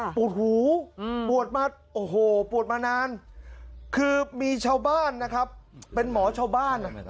ปวดหูปวดมาโอ้โหปวดมานานคือมีชาวบ้านนะครับเป็นหมอชาวบ้าน